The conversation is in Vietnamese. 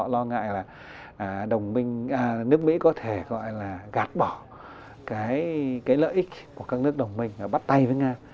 lo ngại là nước mỹ có thể gạt bỏ lợi ích của các nước đồng minh bắt tay với nga